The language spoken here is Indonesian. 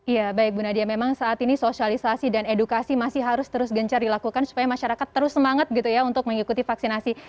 ya baik bu nadia memang saat ini sosialisasi dan edukasi masih harus terus gencar dilakukan supaya masyarakat terus semangat gitu ya untuk mengikuti vaksinasi